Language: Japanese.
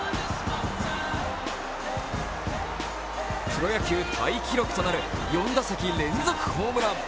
プロ野球タイ記録となる４打席連続ホームラン。